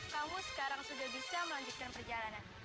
kamu sekarang sudah bisa melanjutkan perjalanan